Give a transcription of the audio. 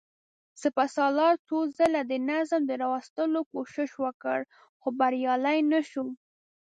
سپهسالار څو ځله د نظم د راوستلو کوشش وکړ، خو بريالی نه شو.